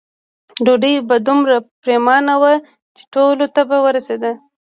ډوډۍ به دومره پریمانه وه چې ټولو ته به رسېده.